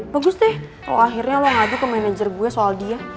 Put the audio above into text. bagus deh kalau akhirnya lo ngadu ke manajer gue soal dia